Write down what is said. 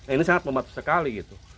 ini sangat membantu sekali gitu